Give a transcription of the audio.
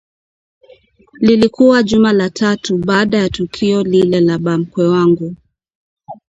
Lilikuwa juma la tatu baada ya tukio lile la ba mkwe wangu